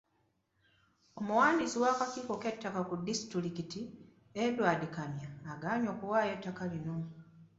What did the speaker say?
Omuwandiisi w'akakiiko k'ettaka ku disitulikiti, Edward Kamya, agaanye okuwaayo ettaka lino.